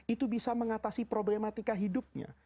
itu bisa mengatasi problematika hidupnya